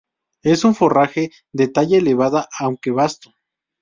Es un forraje de talla elevada, aunque basto.